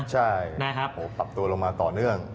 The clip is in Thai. ใช่ปรับตัวลงมาต่อเนื่อง